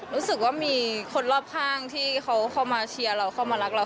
รู้สึกว่ามีคนรอบข้างที่เขาเข้ามาเชียร์เราเข้ามารักเรา